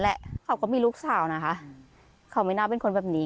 นี่โตมาแล้วมาโดนแบบนี้